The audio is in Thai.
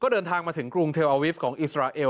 เดินทางมาถึงกรุงเทลอาวิฟต์ของอิสราเอล